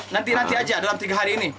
nanti nanti aja dalam tiga hari ini